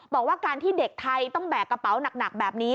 บอกว่าการที่เด็กไทยต้องแบกกระเป๋าหนักแบบนี้